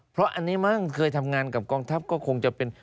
เพราะอันนี้มั้งเคยทำงานกับกองทัพก็คงจะเป็น